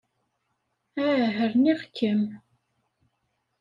Ah! Rniɣ-kem.